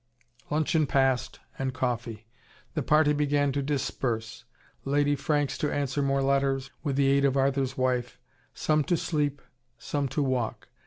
Luncheon passed, and coffee. The party began to disperse Lady Franks to answer more letters, with the aid of Arthur's wife some to sleep, some to walk.